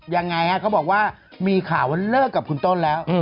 ยังไงฮะเขาบอกว่ามีข่าวว่าเลิกกับคุณต้นแล้ว